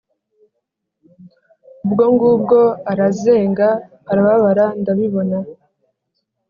Ubwo ngubwo arazengaArababara ndabibona